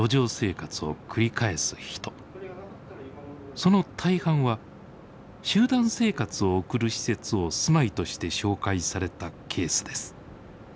その大半は集団生活を送る施設を住まいとして紹介されたケースです。